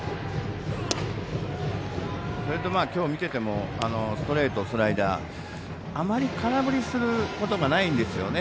それと、今日、見ててもストレート、スライダーあまり空振りすることがないんですよね。